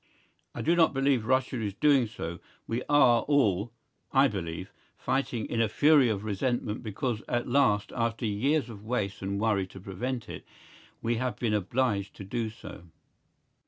I do not believe Russia is doing so; we are all, I believe, fighting in a fury of resentment because at last after years of waste and worry to prevent it, we have been obliged to do so.